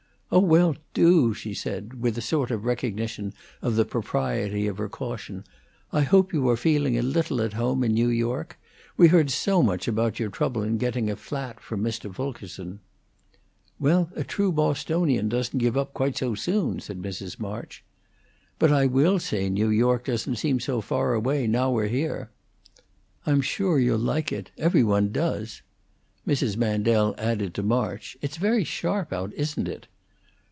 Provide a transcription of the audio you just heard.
"Oh, well, do!" she said, with a sort of recognition of the propriety of her caution. "I hope you are feeling a little at home in New York. We heard so much of your trouble in getting a flat, from Mr. Fulkerson." "Well, a true Bostonian doesn't give up quite so soon," said Mrs. March. "But I will say New York doesn't seem so far away, now we're here." "I'm sure you'll like it. Every one does." Mrs. Mandel added to March, "It's very sharp out, isn't it?"